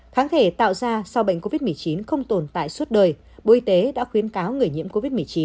kháng thể tạo ra sau bệnh covid một mươi chín không tồn tại suốt đời bộ y tế đã khuyến cáo người nhiễm covid một mươi chín